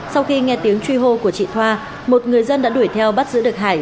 sau khi nghe tiếng truy hô của chị thoa một người dân đã đuổi theo bắt giữ được hải